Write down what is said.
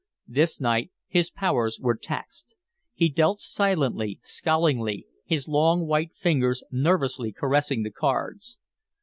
This night his powers were taxed. He dealt silently, scowlingly, his long white fingers nervously caressing the cards.